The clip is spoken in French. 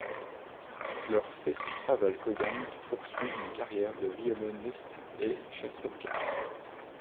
Leur fils Pavel Kogan poursuit une carrière de violoniste et chef d'orchestre.